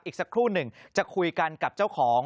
อีกสักครู่หนึ่งจะคุยกันกับเจ้าของ